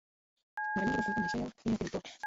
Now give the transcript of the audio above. mara nyingi kwa kuweka maisha yao hatarini na kujitoa